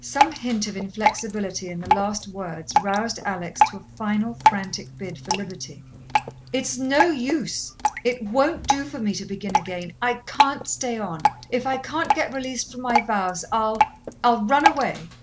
Some hint of inflexibility in the last words roused Alex to a final, frantic bid for liberty. "It's no use it won't do for me to begin again. I can't stay on. If I can't get released from my vows I'll I'll run away."